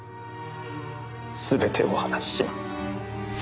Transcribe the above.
全てお話しします。